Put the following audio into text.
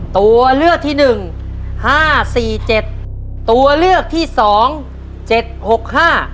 ตัวเลือกที่หนึ่งห้าสี่เจ็ดตัวเลือกที่สองเจ็ดหกห้า